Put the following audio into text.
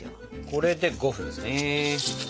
これで５分ですね。